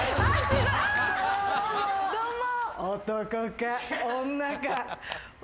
どうも。